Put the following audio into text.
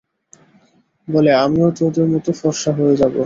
বলে আমিও তাদের মত ফর্সা হয়ে যাব।